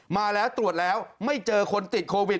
มาแล้วตรวจแล้วไม่เจอคนติดโควิด